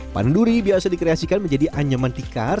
pan duri biasa dikreasikan menjadi anyaman tikar